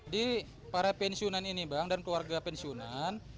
di para pensiunan ini bang dan keluarga pensiunan